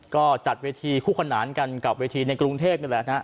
ก็จัดเวทีคู่ขนานกันกับเวทีในกรุงเทพนี่แหละนะฮะ